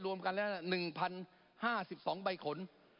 รวมกันแล้ว๑๐๕๒ใบขน